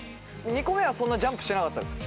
２個目はそんなジャンプしなかったです。